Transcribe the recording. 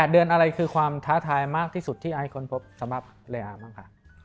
เดือนอะไรคือความท้าทายมากที่สุดที่ไอค้นพบสำหรับเลอาร์บ้างคะ